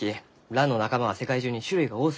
ランの仲間は世界中に種類が多すぎます。